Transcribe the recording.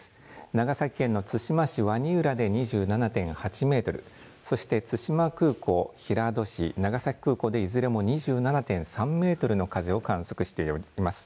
長崎県の対馬市鰐浦で２７．８メートルそして対馬空港平戸市、長崎空港でいずれも２７．３メートルの風を観測しています。